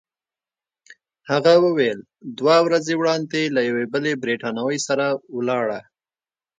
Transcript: هغه وویل: دوه ورځې وړاندي له یوې بلې بریتانوۍ سره ولاړه.